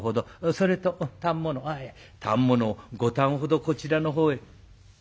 それと反物反物５反ほどこちらの方へ」。